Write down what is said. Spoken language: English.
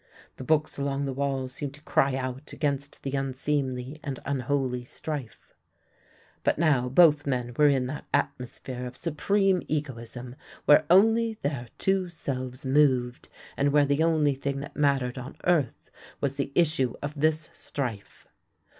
The books along the walls seemed to cry out against the unseemly and unholy strife. But now both men were in that atmosphere of supreme egoism where only their two selves moved, and where the only thing that mattered on earth was the issue of this strife.